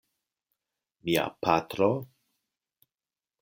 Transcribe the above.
Mia patro.